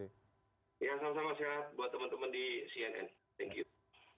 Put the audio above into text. ya salam sehat buat teman teman di cnn thank you